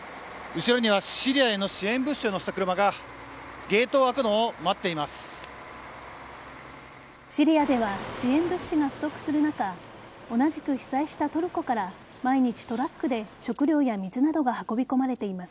後ろにはシリアへの支援物資を載せた車がシリアでは支援物資が不足する中同じく被災したトルコから毎日トラックで食料や水などが運び込まれています。